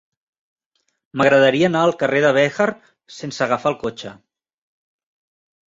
M'agradaria anar al carrer de Béjar sense agafar el cotxe.